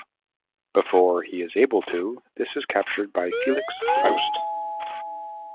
Before he is able to, his is captured by Felix Faust.